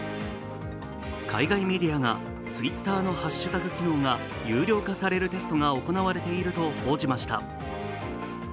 海外メディアが、Ｔｗｉｔｔｅｒのハッシュタグ機能が有料化されるテストが行われていると報じました。